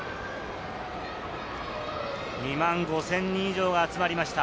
２万５０００人以上が集まりました。